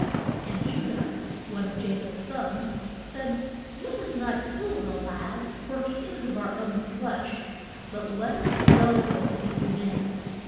] And Ju dah one of Ja cob's sons said, Let us not kill the lad, for he is of our own flesh, but let us sell him to these men.